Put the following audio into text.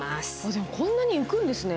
でもこんなに浮くんですね。